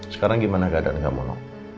sekarang gimana keadaan kamu